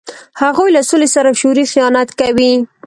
هغوی له سولې سره شعوري خیانت کوي.